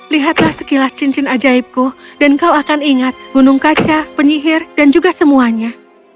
lihatlah sekilas cincin ajaibku dan kau akan ingat gunung kaca penyihir dan juga semuanya